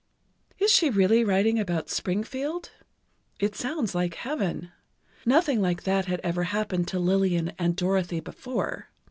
Is she really writing about Springfield? It sounds like heaven. Nothing like that had ever happened to Lillian and Dorothy before.